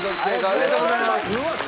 おめでとうございます！